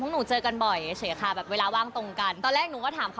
คุณถนะคุณโปรโมชั่นหรือเปล่าและคุณอัณกษัตริย์ักษ์เตอร์